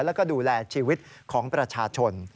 แล้วก็ดูแลชีวิตของประชาชน